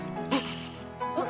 あっ！